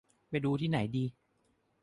ไปดูที่ไหนดี